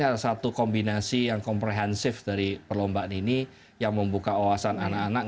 saya lihat ini adalah satu kombinasi yang komprehensif dari perlombaan ini yang membuka oasan anak anak